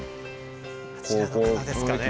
こちらの方ですかね。